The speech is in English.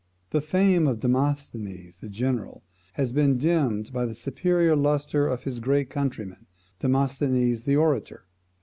The fame of Demosthenes the general, has been dimmed by the superior lustre of his great countryman, Demosthenes the orator.